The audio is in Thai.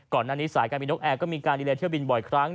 ก่อนหน้านี้สายการบินนกแอร์ก็มีการดีเลเที่ยวบินบ่อยครั้ง